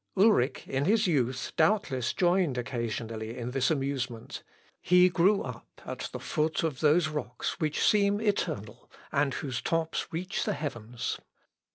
Ulric in his youth doubtless joined occasionally in this amusement. He grew up at the foot of those rocks which seem eternal, and whose tops reach the heavens.